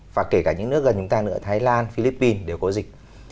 và kể cả những nước gần chúng ta nữa thái lan philippines đều có dịch